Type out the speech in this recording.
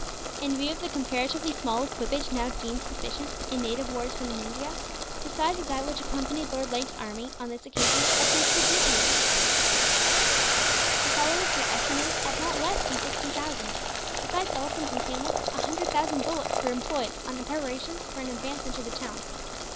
In view of the comparatively small equipage now deemed sufficient, in native wars in India, the size of that which accompanied Lord Lake's army, on this occasion, appears prodigious. The followers were estimated at not less than sixty thousand. Besides elephants and camels, a hundred thousand bullocks were employed on preparations for an advance into the town.